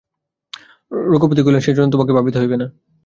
রঘুপতি কহিলেন, সেজন্য তোমাকে ভাবিতে হইবে না।